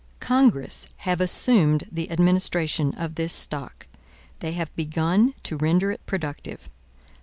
Congress have assumed the administration of this stock. They have begun to render it productive.